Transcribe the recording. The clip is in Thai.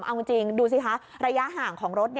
เอาจริงดูสิคะระยะห่างของรถ